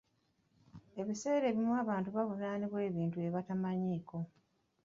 Ebiseera ebimu abantu bavunaanibwa ebintu bye batamanyiiko..